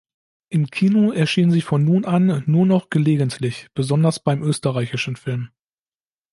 Im Kino erschien sie von nun an nur noch gelegentlich, besonders beim österreichischen Film.